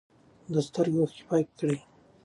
د سترګو اوښکې پاکې کړئ.